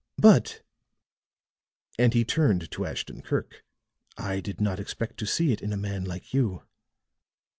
But," and he turned to Ashton Kirk, "I did not expect to see it in a man like you."